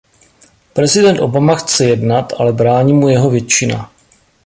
Prezident Obama chce jednat, ale brání mu jeho většina.